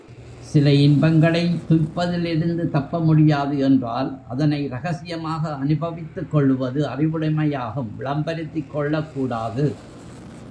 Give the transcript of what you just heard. சில இன்பங்களைத் துய்ப்பதிலிருந்து தப்பமுடியாது என்றால், அதனை ரகசியமாக அனுபவித்துக் கொள்வது அறிவுடைமையாகும் விளம்பரப்படுத்திக் கொள்ளக் கூடாது.